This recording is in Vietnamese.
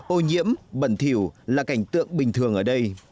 ô nhiễm bẩn thiểu là cảnh tượng bình thường ở đây